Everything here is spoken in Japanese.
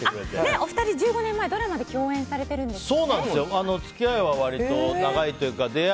お二人、１５年前ドラマで共演されてるんですよね。